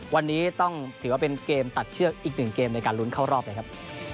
วันนี้ต้องถือว่าเป็นเกมตัดเชือกอีกหนึ่งเกมในการลุ้นเข้ารอบเลยครับ